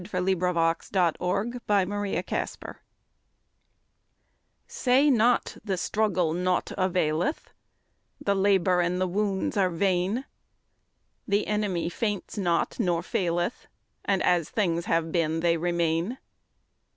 Say Not the Struggle Naught Availeth SAY not the struggle naught availeth, The labour and the wounds are vain, The enemy faints not, nor faileth, And as things have been they remain.